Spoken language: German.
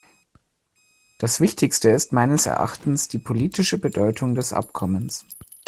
Das Wichtigste ist meines Erachtens die politische Bedeutung des Abkommens.